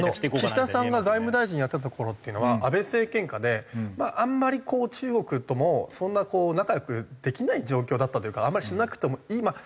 岸田さんが外務大臣やってた頃っていうのは安倍政権下であんまりこう中国ともそんな仲良くできない状況だったというかあんまりしなくてもいい。